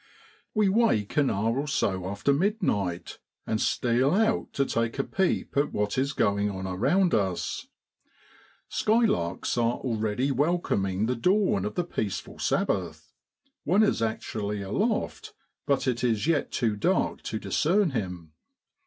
We wake an hour or so after midnight, and steal out to take a peep at what is going on around us. Skylarks are already welcoming the dawn of the peaceful Sabbath, one is actually aloft, but it is yet too dark to discern him.